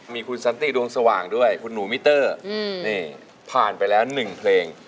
มีคุณสันติดวงสว่างด้วยคุณหนูมิเตอร์นี่ผ่านไปแล้ว๑เพลง